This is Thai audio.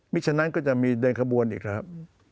ฉะนั้นก็จะมีเดินขบวนอีกครับ